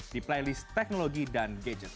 di playlist teknologi dan gadget